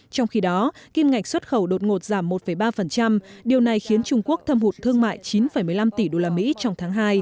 trong khi đó kim ngạch xuất khẩu đột ngột giảm một ba điều này khiến trung quốc thâm hụt thương mại chín một mươi năm tỷ usd trong tháng hai